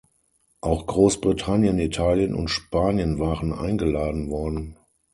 Auch Großbritannien, Italien und Spanien waren eingeladen worden.